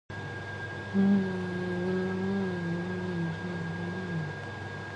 Peshev was a good friend of Bulgaria's Jewish community.